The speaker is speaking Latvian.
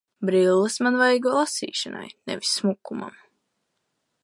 Brilles man vajag lasīšanai, nevis smukumam.